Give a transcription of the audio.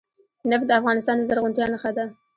نفت د افغانستان د زرغونتیا نښه ده.